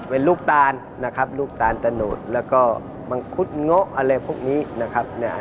misalnya luk tan dan kud ngek